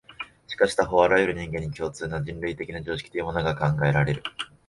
しかし他方、あらゆる人間に共通な、人類的な常識というものが考えられる。